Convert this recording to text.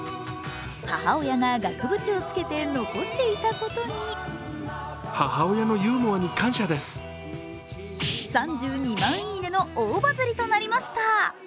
母親が額縁をつけて残していたことに３２万いいねの大バズリとなりましたぁ